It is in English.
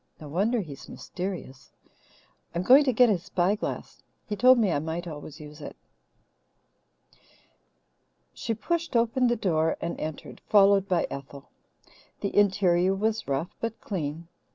No wonder he's mysterious. I'm going to get his spyglass. He told me I might always use it." She pushed open the door and entered, followed by Ethel. The interior was rough but clean.